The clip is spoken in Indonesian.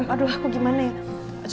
aduh aku gimana ya